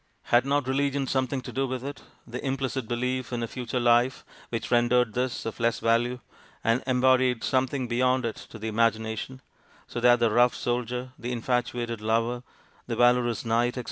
Had not religion something to do with it: the implicit belief in a future life, which rendered this of less value, and embodied something beyond it to the imagination; so that the rough soldier, the infatuated lover, the valorous knight, etc.